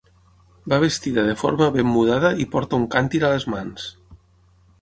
Va vestida de forma ben mudada i porta un càntir a les mans.